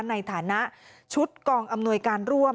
ในฐานะชุดกองอำนวยการร่วม